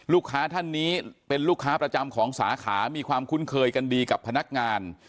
ท่านนี้เป็นลูกค้าประจำของสาขามีความคุ้นเคยกันดีกับพนักงาน